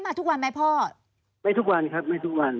มาทุกวันไหมพ่อไม่ทุกวันครับไม่ทุกวัน